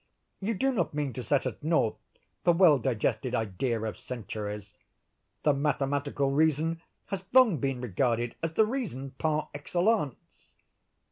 You do not mean to set at naught the well digested idea of centuries. The mathematical reason has long been regarded as the reason par excellence."